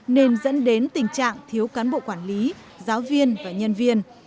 nên dẫn đến tình trạng thiếu cán bộ quản lý giáo viên và nhân viên